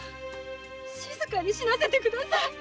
静かに死なせてください。